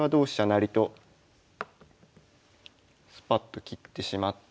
成とスパッと切ってしまって。